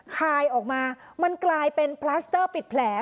คายออกมามันกลายเป็นพลัสเตอร์ปิดแผล